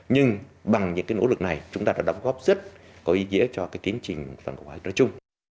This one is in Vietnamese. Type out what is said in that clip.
nhưng bằng những cái nỗ lực này chúng ta đã đóng góp rất có ý nghĩa cho tiến trình toàn cầu hóa nói chung